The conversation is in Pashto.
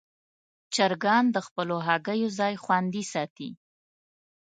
چرګان د خپلو هګیو ځای خوندي ساتي.